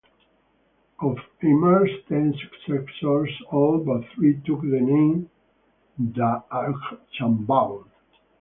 Of Aymar's ten successors all but three took the name "d'Archambault".